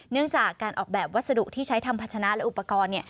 เนื่องจากการออกแบบวัสดุที่ใช้ทำพัชนะและอุปกรณ์